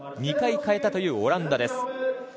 ２回変えたというオランダです。